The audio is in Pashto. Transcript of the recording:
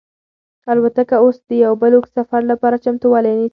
الوتکه اوس د یو بل اوږد سفر لپاره چمتووالی نیسي.